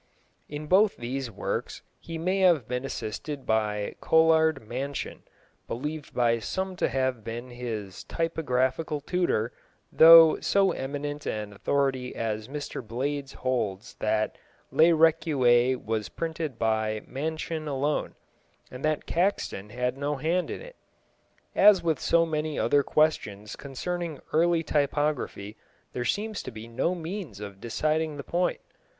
In both these works he may have been assisted by Colard Mansion, believed by some to have been his typographical tutor, though so eminent an authority as Mr Blades holds that Le Recueil was printed by Mansion alone, and that Caxton had no hand in it. As with so many other questions concerning early typography, there seems to be no means of deciding the point.